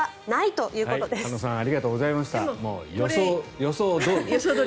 予想どおり。